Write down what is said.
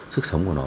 sức sống của nó